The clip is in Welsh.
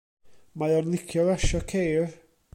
Mae o'n licio rasio ceir.